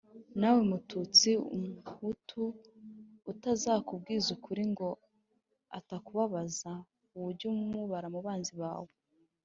Nawe Mututsi, umuhutu utazakubwiza ukuri ngo atakubabaza, uwo ujye umubara mu banzi bawe.